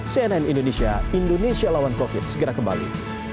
cnn indonesia indonesia lawan covid segera kembali